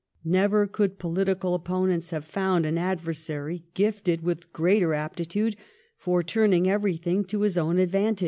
Never could political opponents have found an adversary gifted with greater aptitude for turning everything to his own advantage.